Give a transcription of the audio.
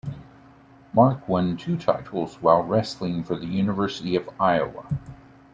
Mark won two titles while wrestling for the University of Iowa.